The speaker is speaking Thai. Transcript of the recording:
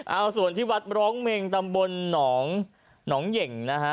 เอาส่วนที่วัดร้องเมงตำบลหนองหนองเหย่งนะฮะ